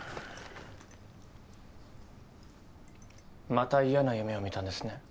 また嫌な夢を見たんですね？